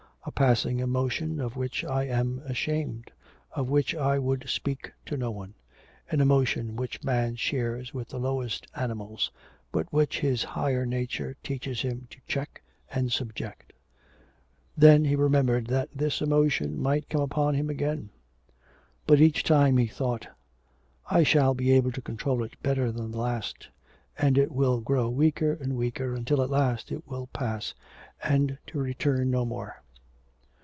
A passing emotion of which I am ashamed, of which I would speak to no one. An emotion which man shares with the lowest animals, but which his higher nature teaches him to check and subject.' Then he remembered that this emotion might come upon him again. But each time he thought, 'I shall be able to control it better than the last, and it will grow weaker and weaker until at last it will pass and to return no more.'